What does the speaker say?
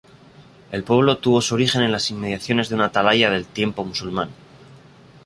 El pueblo tuvo su origen en las inmediaciones de una atalaya del tiempo musulmán.